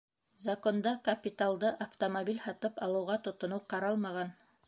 Законда капиталды автомобиль һатып алыуға тотоноу ҡаралмаған.